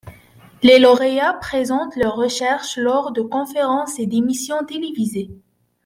Les lauréats présentent leurs recherches lors de conférences et d'émissions télévisées.